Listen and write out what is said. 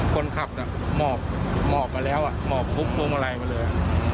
คนขับน่ะหมอบมาแล้วหมอบทุกพวงมาลัยมาเลย